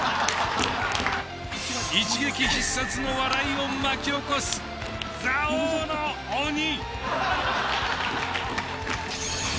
一撃必殺の笑いを巻き起こす座王の鬼。